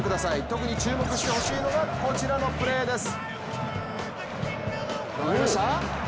特に注目してほしいのがこちらのプレーです。